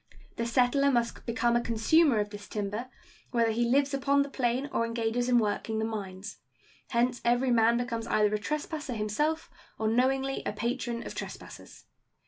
The settler must become a consumer of this timber, whether he lives upon the plain or engages in working the mines. Hence every man becomes either a trespasser himself or knowingly a patron of trespassers.